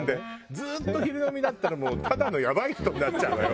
ずっと昼飲みだったらもうただのやばい人になっちゃうわよ。